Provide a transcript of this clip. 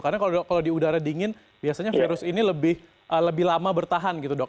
karena kalau di udara dingin biasanya virus ini lebih lama bertahan gitu dok